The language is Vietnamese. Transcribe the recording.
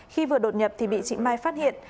khi vừa đột nhập thì bị chị mai phát hiện